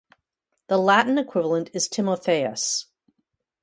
The Latin equivalent is Timotheus.